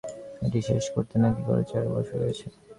এটি শেষ করতে নাকি গৌরীর চার বছর লেগেছে।